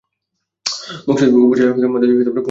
মুকসুদপুর উপজেলার মধ্য দিয়ে কুমার নদী বয়ে গেছে।